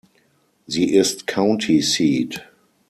Sie ist County Seat.